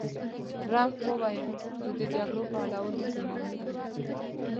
ټرمپ وویل، زه د جګړو په حلولو کې ماهر یم.